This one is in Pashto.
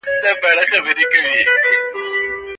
څنګه پر لاري برابر سم .